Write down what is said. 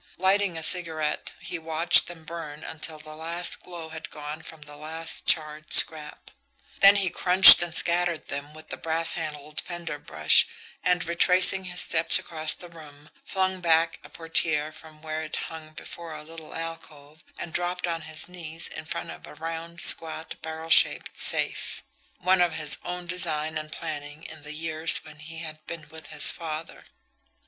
Lighting a cigarette, he watched them burn until the last glow had gone from the last charred scrap; then he crunched and scattered them with the brass handled fender brush, and, retracing his steps across the room, flung back a portiere from where it hung before a little alcove, and dropped on his knees in front of a round, squat, barrel shaped safe one of his own design and planning in the years when he had been with his father.